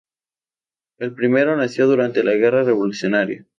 El primero nació durante la guerra revolucionaria.